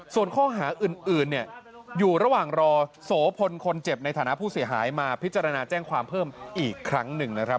ส่วนข้อหาอื่นอยู่ระหว่างรอโสพลคนเจ็บในฐานะผู้เสียหายมาพิจารณาแจ้งความเพิ่มอีกครั้งหนึ่งนะครับ